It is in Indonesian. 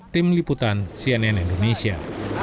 tim liputan cnn indonesia